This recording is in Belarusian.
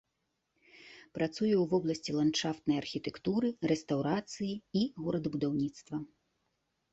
Працуе ў вобласці ландшафтнай архітэктуры, рэстаўрацыі і горадабудаўніцтва.